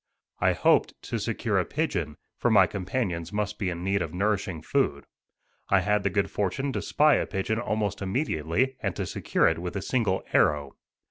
I hoped to secure a pigeon, for my companions must be in need of nourishing food. I had the good fortune to spy a pigeon almost immediately and to secure it with a single arrow.